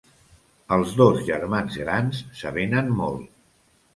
Els dos germans grans s'avenen molt.